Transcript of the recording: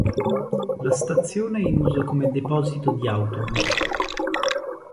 La stazione è in uso come deposito di autobus.